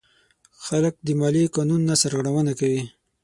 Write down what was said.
خلک د مالیې قانون نه سرغړونه کوي.